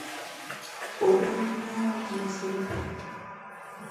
O ɗon nyaama les leggal.